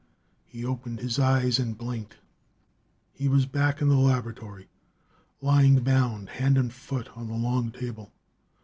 He opened his eyes and blinked. He was back in the laboratory lying bound, hand and foot, on the long table.